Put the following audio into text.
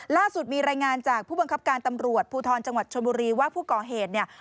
ล่าสุดมีรายงานจากผู้บังคับการตำรวจภูทรจังหวัดชนบุรีว่าผู้ก่อเหตุเนี่ย